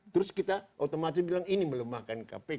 terus kita otomatis bilang ini melemahkan kpk